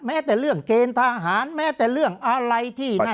แต่เรื่องเกณฑ์ทหารแม้แต่เรื่องอะไรที่นั่น